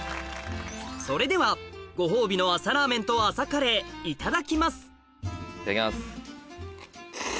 それではご褒美の朝ラーメンと朝カレーいただきますいただきます。